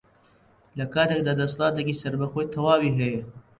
لەکاتێکدا دەسەڵاتێکی سەربەخۆی تەواوی هەیە